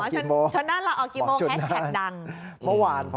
หละออกกี่โมง